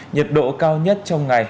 nhiệt độ cao nhất trong ngày